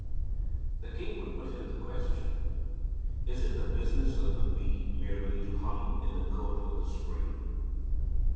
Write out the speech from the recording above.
The king would put him the question; "Is it the business of the bee merely to hum in the court of the spring?"